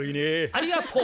ありがとう。